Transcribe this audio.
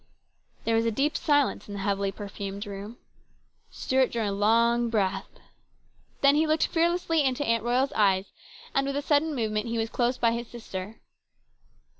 There was a deep silence in the heavily perfumed room. Stuart drew a long breath. Then he looked fearlessly into Aunt Royal's eyes, and with a sudden movement he stood close by his sister.